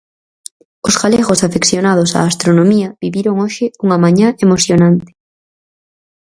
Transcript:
Os galegos afeccionados á astronomía viviron hoxe unha mañá emocionante.